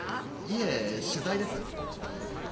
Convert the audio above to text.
いえ取材です。